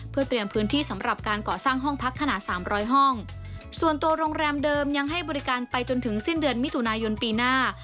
เพื่อเตรียมพื้นที่สำหรับการก่อสร้างห้องพักขนาดสามร้อยห้องส่วนตัวโรงแรมเดิมยังให้บริการไปจนถึงสิ้นเดือนมิถุนายนปีหน้า